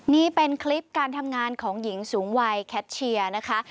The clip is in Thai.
นี่เป็นคลิปการทำงานของหญิงสูงวัยแคทเชียร์นะคะ